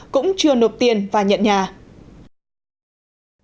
cũng chưa nộp tiền và nhận nhà